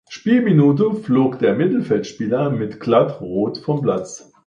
Spielminute flog der Mittelfeldspieler mit „glatt“ Rot vom Platz.